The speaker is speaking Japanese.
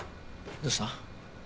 どうした？